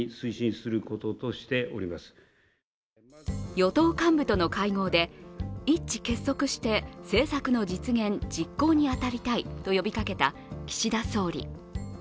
与党幹部との会合で、一致結束して政策の実現・実行に当たりたいと呼びかけた岸田総理。